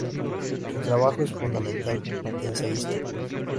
Su trabajo es fundamentalmente ensayístico.